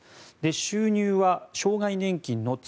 収入は障害年金の月